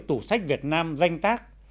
tủ sách việt nam danh tác